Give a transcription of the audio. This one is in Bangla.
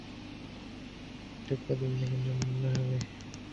শুরুতে, বাতিঘর রক্ষক দ্বারা এর রক্ষণাবেক্ষণ করা হত।